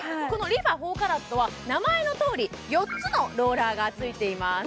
このＲｅＦａ４ＣＡＲＡＴは名前のとおり４つのローラーがついています